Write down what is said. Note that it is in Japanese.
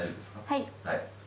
はい。